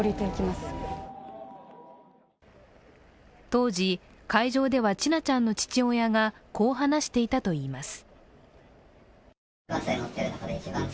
当時、会場では千奈ちゃんの父親がこう話していたといいます。